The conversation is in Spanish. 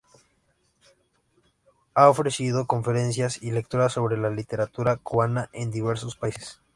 Ha ofrecido conferencias y lecturas sobre la literatura cubana en diversos países.